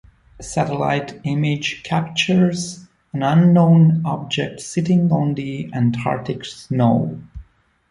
A satellite image captures an unknown object sitting on the Antarctic snow.